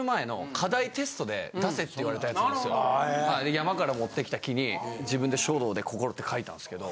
山から持って来た木に自分で書道で「心」って書いたんですけど。